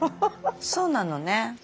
そうなのね。